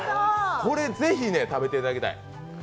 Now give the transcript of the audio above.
これぜひ食べていただきたい。